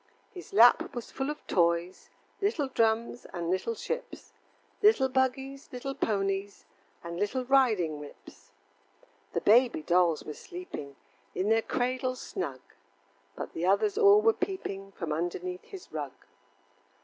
His lap was full of toys, Little drums and little ships, Little buggies, little ponies, And little riding whips. The baby dolls were sleeping In their cradles snug, But the others all were peeping From underneath his rug.